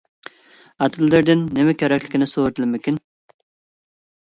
ئاتىلىرىدىن نېمە كېرەكلىكىنى سورىدىلىمىكىن.